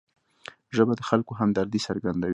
ژبه د خلکو همدردي څرګندوي